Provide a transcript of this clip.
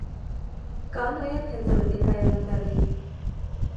Կա նաև հեծանվի կայանատեղի։